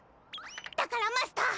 だからマスター！